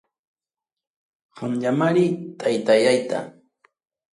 Qamllamari taytallayta.